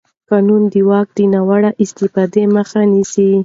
قانون د واک د ناوړه استفادې مخه نیسي.